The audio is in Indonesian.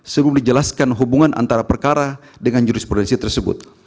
sebelum dijelaskan hubungan antara perkara dengan jurisprudensi tersebut